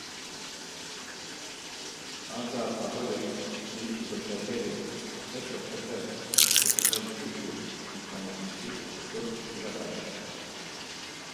Ar daa... p̌ap̌ulik ncirişi goşaşeri heşo xepe gusumelt̆uşa motamuşişi ǩut̆us kodakaçu.